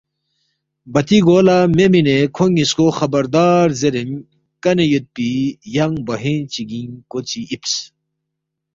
بتی گو لا مے مینے کھونگ نیسکو خبردار زیرین کانے یود پی ینگ باہوینگ چیگینگ کوچی ایپس۔